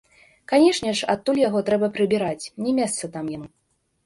Канешне ж, адтуль яго трэба прыбіраць, не месца там яму.